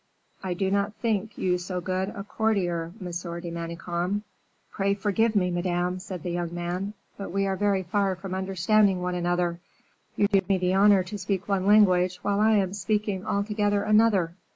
I did not think you so good a courtier, Monsieur de Manicamp." "Pray forgive me, Madame," said the young man, "but we are very far from understanding one another. You do me the honor to speak one language while I am speaking altogether another."